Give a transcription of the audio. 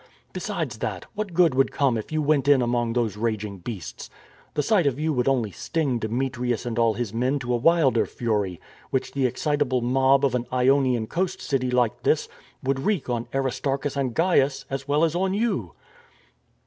Besides that, what good would come if you went in among those raging beasts? The sight of you would only sting Demetrius and all his men to 264 STORM AND STRESS a wilder fury, which the excitable mob of an Ionian coast city like this would wreak on Aristarchus and Gains, as well as on you."